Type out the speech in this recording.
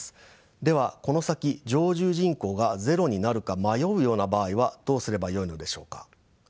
ではこの先常住人口がゼロになるか迷うような場合はどうすればよいのでしょうか。